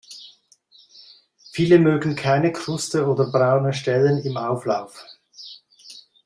Viele mögen keine Kruste oder braune Stellen am Auflauf.